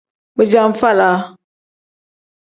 Bijaavalaa.